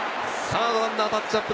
２塁ランナーもタッチアップ。